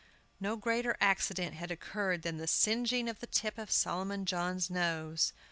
No greater accident had occurred than the singeing of the tip of Solomon John's nose.